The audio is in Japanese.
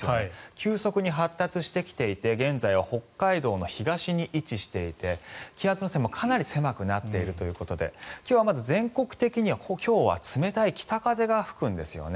急速に発達してきていて現在は北海道の東に位置していて気圧の線もかなり狭くなっているということで今日は、まず全国的には冷たい北風が吹くんですよね。